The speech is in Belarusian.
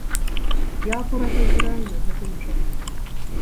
Я акурат назіраю на гэтым участку.